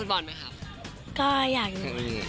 อยากเป็นนักบอส